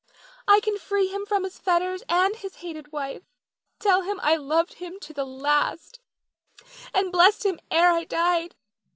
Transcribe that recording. I can free him from his fetters and his hated wife. Tell him I loved him to the last, and blessed him ere I died.